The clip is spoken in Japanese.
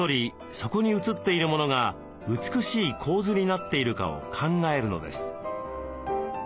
そこに写っているモノが美しい構図になっているかを考えるのです。